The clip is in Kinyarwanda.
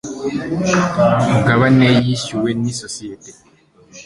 mugabane yishyuwe n isosiyete